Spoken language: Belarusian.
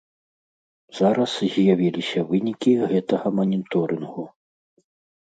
Зараз з'явіліся вынікі гэтага маніторынгу.